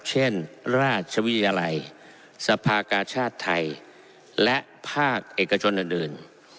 เช่นราชวิทยาลัยสภากาชาติไทยและภาคเอกชนอื่น